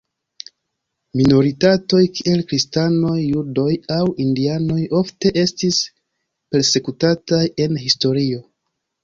Minoritatoj, kiel kristanoj, judoj aŭ indianoj ofte estis persekutataj en historio.